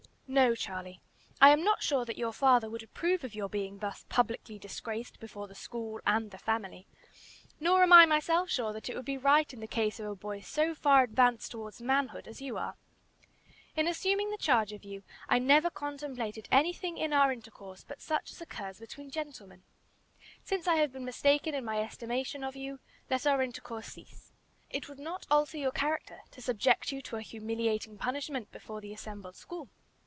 "No, Charlie; I am not sure that your father would approve of your being thus publicly disgraced before the school and the family, nor am I myself sure that it would be right in the case of a boy so far advanced towards manhood as you are. In assuming the charge of you, I never contemplated anything in our intercourse but such as occurs between gentlemen. Since I have been mistaken in my estimate of you, let our intercourse cease. It would not alter your character to subject you to a humiliating punishment before the assembled school.